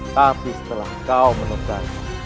tapi setelah kau menegak